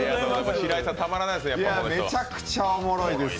平井さん、たまらないですね。